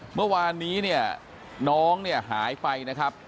เมื่อวานนี้เนี่ยน้องเนี่ยหายไปนะครับ